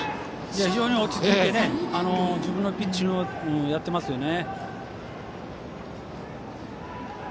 非常に落ち着いて自分のピッチングやっていますね。